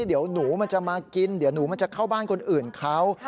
เดี๋ยวหนูมันจะมากินเดี๋ยวหนูมันจะเข้าบ้านคนอื่นเขา